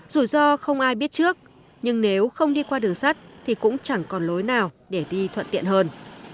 dù do không ai biết trước nhưng nếu không đi qua đường sắt thì cũng chẳng còn lối nào để đi thuận tiện hơn